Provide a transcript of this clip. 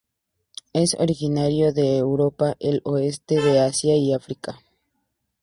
Es originario de Europa, el oeste de Asia y África.